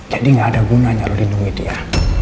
jadi gak ada gunanya lo lindungi dia